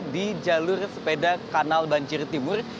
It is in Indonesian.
di jalur sepeda kanal banjir timur